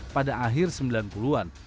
pada akhir sembilan puluh an